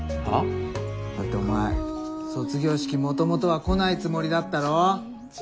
だってお前卒業式もともとは来ないつもりだったろ。